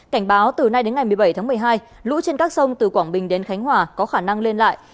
cảnh báo từ nay đến ngày một mươi bảy tháng một mươi hai lũ trên các sông từ quảng bình đến khánh hòa có khả năng lên lại